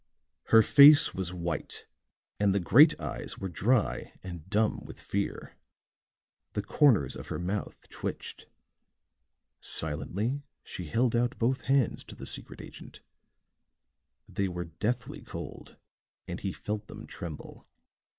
Her face was white and the great eyes were dry and dumb with fear; the corners of her mouth twitched. Silently she held out both hands to the secret agent; they were deathly cold and he felt them tremble.